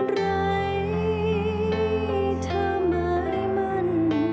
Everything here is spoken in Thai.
ไร้เธอหมายมั่น